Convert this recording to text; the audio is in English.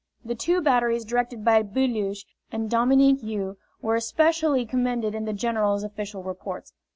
The two batteries directed by Beluche and Dominique You were especially commended in the general's official reports.